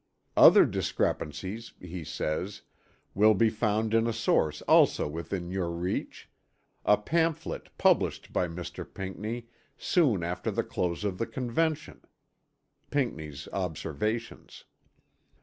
"Other discrepancies," he says, "will be found in a source also within your reach, a pamphlet published by Mr. Pinckney soon after the close of the Convention" (Pinckney's Observations).